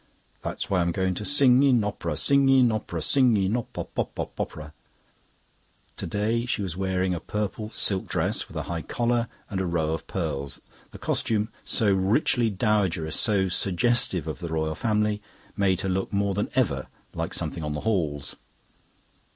"That's why I'm going to Sing in op'ra, sing in op'ra, Sing in op pop pop pop pop popera." Today she was wearing a purple silk dress with a high collar and a row of pearls. The costume, so richly dowagerish, so suggestive of the Royal Family, made her look more than ever like something on the Halls.